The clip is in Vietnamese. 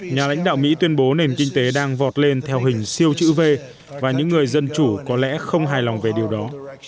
nhà lãnh đạo mỹ tuyên bố nền kinh tế đang vọt lên theo hình siêu chữ v và những người dân chủ có lẽ không hài lòng về điều đó